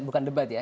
bukan debat ya